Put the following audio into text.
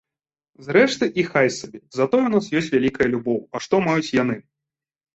Зрэшты, і хай сабе, затое ў нас ёсць вялікая любоў, а што маюць яны?